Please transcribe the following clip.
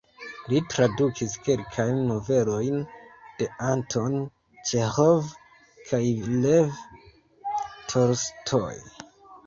Li tradukis kelkajn novelojn de Anton Ĉeĥov kaj Lev Tolstoj.